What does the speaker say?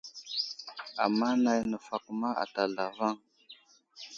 Ama nay nəfakuma ata zlavaŋ.